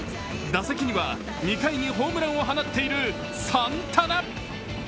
打席には２回にホームランを放っているサンタナ。